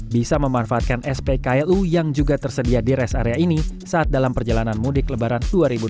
bisa memanfaatkan spklu yang juga tersedia di rest area ini saat dalam perjalanan mudik lebaran dua ribu dua puluh